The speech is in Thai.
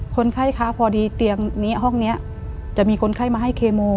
คนไข้คะพอดีเตียงนี้ห้องนี้จะมีคนไข้มาให้เคโม